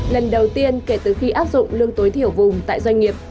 lần đầu tiên kể từ khi áp dụng lương tối thiểu vùng tại doanh nghiệp